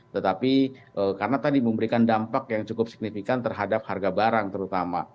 tetapi karena tadi memberikan dampak yang cukup signifikan terhadap harga barang terutama